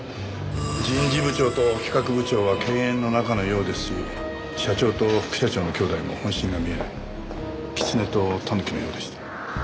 人事部長と企画部長は犬猿の仲のようですし社長と副社長の姉弟も本心が見えないキツネとタヌキのようでした。